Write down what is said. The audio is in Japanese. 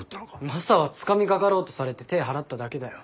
マサはつかみかかろうとされて手ぇ払っただけだよ。